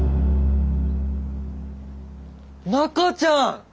中ちゃん！